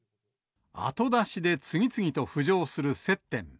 あと出しで次々と浮上する接